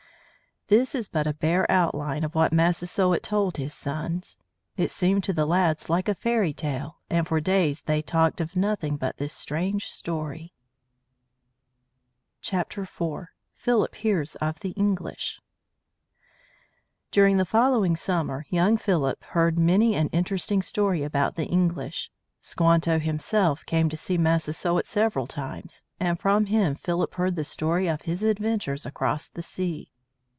This is but a bare outline of what Massasoit told his sons. It seemed to the lads like a fairy tale, and for days they talked of nothing but this strange story. IV. PHILIP HEARS OF THE ENGLISH During the following summer young Philip heard many an interesting story about the English. Squanto himself came to see Massasoit several times, and from him Philip heard the story of his adventures across the sea.